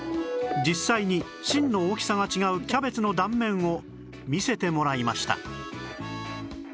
実際に芯の大きさが違うキャベツの断面を見せてもらいました